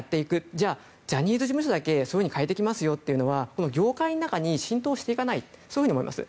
じゃあジャニーズ事務所だけそういうふうに変えていくというのは業界の中に浸透していかないと思います。